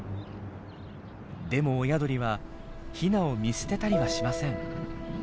でも親鳥はヒナを見捨てたりはしません。